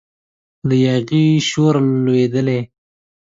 له یاغي شوره لویدلی